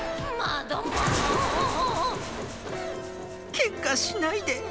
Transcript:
けんかしないで。